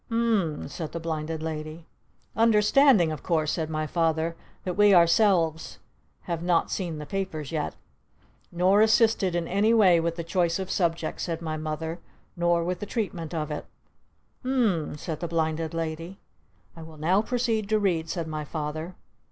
"U m m m," said the Blinded Lady. "Understanding of course," said my Father, "that we ourselves have not seen the papers yet!" "Nor assisted in any way with the choice of subject," said my Mother. "Nor with the treatment of it!" "U m m," said the Blinded Lady. "I will now proceed to read," said my Father.